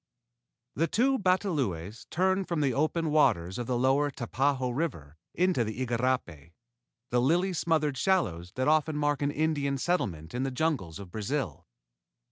"_] The two batalões turned from the open waters of the lower Tapajos River into the igarapé, the lily smothered shallows that often mark an Indian settlement in the jungles of Brazil.